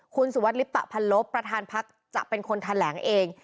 คุณสุวัสดลิปปะพันลบประธานพักจะเป็นคนแถลงเอง